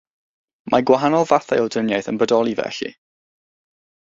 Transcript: Mae gwahanol fathau o driniaeth yn bodoli, felly.